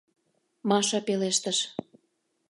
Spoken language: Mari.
— Маша пелештыш.